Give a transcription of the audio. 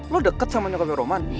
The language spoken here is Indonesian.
lo deket sama nyoko roman